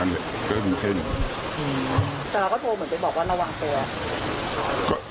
แล้วก็โทรเหมือนจะบอกว่าระหวังแก